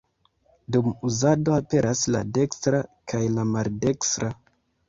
Dum uzado aperas la dekstra kaj la maldekstra.